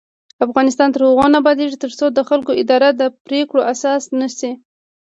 افغانستان تر هغو نه ابادیږي، ترڅو د خلکو اراده د پریکړو اساس نشي.